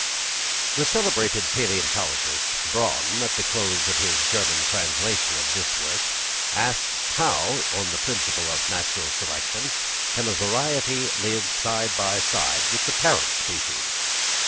The celebrated palæontologist, Bronn, at the close of his German translation of this work, asks how, on the principle of natural selection, can a variety live side by side with the parent species?